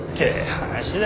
話だ